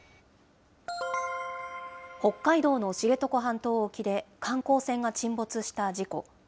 北海道の知床半島沖で、観光船が沈没した事故。